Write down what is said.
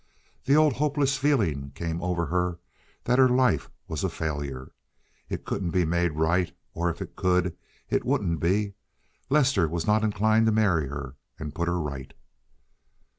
The old hopeless feeling came over her that her life was a failure. It couldn't be made right, or, if it could, it wouldn't be. Lester was not inclined to marry her and put her right.